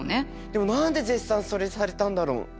でも何で絶賛されたんだろう？